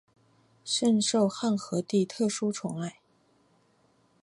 甚受汉和帝特殊宠爱。